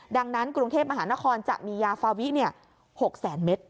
ดังนั้นกรุงเทพมหานครจะมียาฟาวิ๖แสนเมตร